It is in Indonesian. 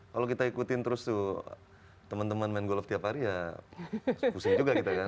kalau kita ikutin terus tuh teman teman main golf tiap hari ya pusing juga kita kan